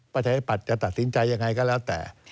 ประชาธิปัตย์จะตัดสินใจยังไงก็แล้วแต่